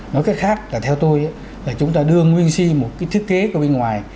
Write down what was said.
nói cách khác là theo tôi là chúng ta đưa nguyên si một cái thiết kế của nước ngoài